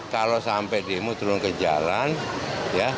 kalau sampai demo turun ke jalan ya